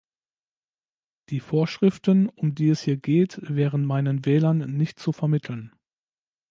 Die Vorschriften, um die es hier geht, wären meinen Wählern nicht zu vermitteln.